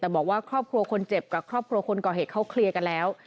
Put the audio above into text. แต่บอกว่าครอบครัวคนเจ็บกับครอบครัวคนก่อเหตุเขาเคลียร์กันแล้ว